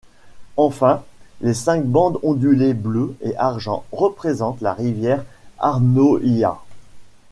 Enfin, les cinq bandes ondulées bleues et argent représentent la rivière Arnóia.